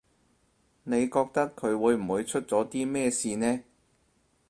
你覺得佢會唔會出咗啲咩事呢